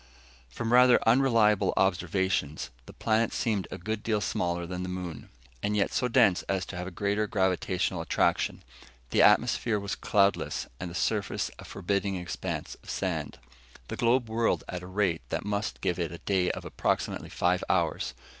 From rather unreliable observations, the planet seemed a good deal smaller than the moon, and yet so dense as to have a greater gravitational attraction. The atmosphere was cloudless, and the surface a forbidding expanse of sand. The globe whirled at a rate that must give it a day of approximately five hours.